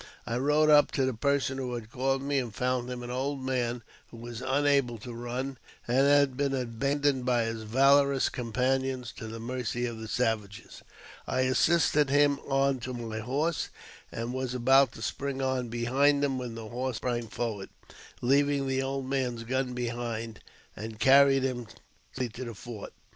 I rode up to the person who had called me, and found him an old man, who was unable to run, and had been abandoned by his valorous companions to the mercy of the savages. I assisted him on to my horse, and was about to spring on behind him, when the horse sprang forward, leaving the old man's gun behind, and carried him safely to the fort.